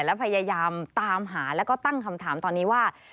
แล้วพยายามตามหาแล้วก็ตั้งคำถามตอนนี้ว่า